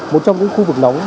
một trong những khu vực nóng